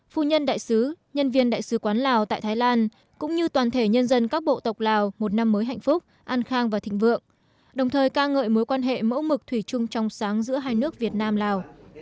phu nhân đại sứ nhân viên đại sứ quán lào tại thái lan cũng như toàn thể nhân dân các bộ tộc lào một năm mới hạnh phúc an khang và thịnh vượng đồng thời ca ngợi mối quan hệ mẫu mực thủy chung trong sáng giữa hai nước việt nam lào